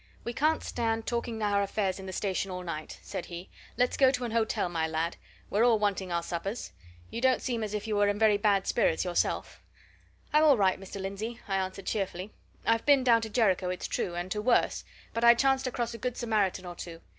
"We can't stand talking our affairs in the station all night," said he. "Let's get to an hotel, my lad we're all wanting our suppers. You don't seem as if you were in very bad spirits, yourself." "I'm all right, Mr. Lindsey," I answered cheerfully. "I've been down to Jericho, it's true, and to worse, but I chanced across a good Samaritan or two.